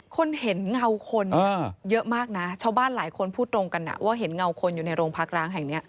คนเห็นเงาคนเยอะมากนะชาวบ้านหลายคนพูดตรงกันว่าเห็นเงาคนอยู่ในโรงพักร้างแห่งนี้